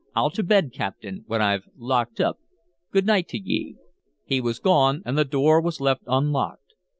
"I'll to bed, captain, when I've locked up. Good night to ye!" He was gone, and the door was left unlocked.